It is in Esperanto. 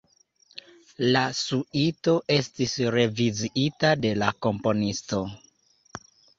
La suito estis reviziita de la komponisto.